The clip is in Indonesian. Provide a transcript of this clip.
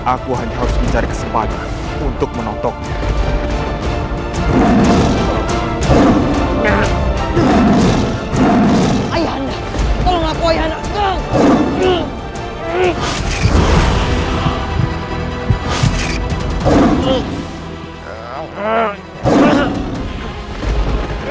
aku hanya harus mencari kesempatan untuk menolong putraku